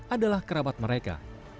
adalah kerabat mereka